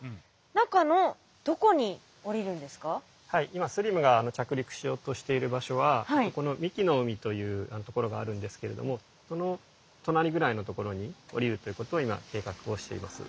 今ＳＬＩＭが着陸しようとしている場所はこの神酒の海というところがあるんですけれどもその隣ぐらいのところに降りるということを今計画をしています。